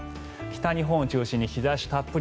北日本を中心に日差したっぷり。